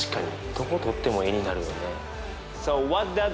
どことっても絵になるよね。